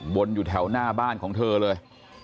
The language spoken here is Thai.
อยู่แถวหน้าบ้านของเธอเลย